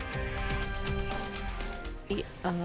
dan mereka bisa melakukan penguasaan kepada anak mereka untuk kita